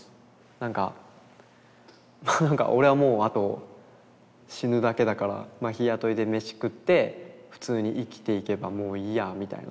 なんかまあなんか「俺はもうあと死ぬだけだから日雇いで飯食って普通に生きていけばもういいや」みたいな。